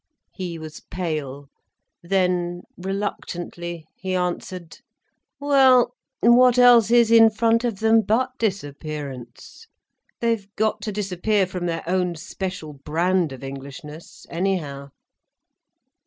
He was pale. Then, reluctantly, he answered: "Well—what else is in front of them, but disappearance? They've got to disappear from their own special brand of Englishness, anyhow."